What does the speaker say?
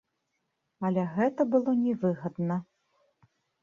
Але гэта было не выгадна.